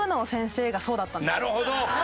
なるほど！